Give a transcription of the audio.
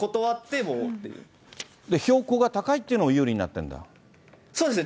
標高が高いっていうのも有利そうですね。